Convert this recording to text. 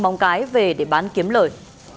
mong cái về để bán kiếm lời